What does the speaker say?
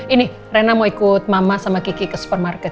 ini rena mau ikut mama sama kiki ke supermarket